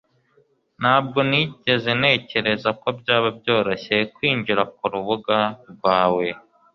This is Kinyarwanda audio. ntabwo nigeze ntekereza ko byaba byoroshye kwinjira kurubuga rwawe